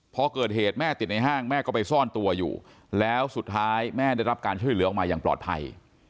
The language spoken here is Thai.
พอเกิดเหตุแม่ติดในห้างแม่ก็ไปซ่อนตัวอยู่แล้วสุดท้ายแม่ได้รับการช่วยเหลือออกมาอย่างปลอดภัย